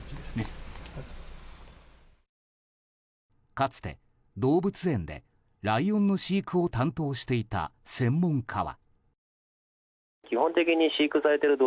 かつて動物園でライオンの飼育を担当していた専門家は。